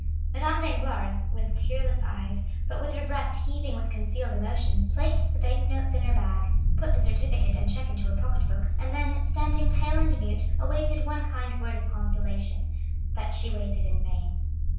Madame Danglars, with tearless eyes, but with her breast heaving with concealed emotion, placed the bank notes in her bag, put the certificate and check into her pocket book, and then, standing pale and mute, awaited one kind word of consolation. But she waited in vain.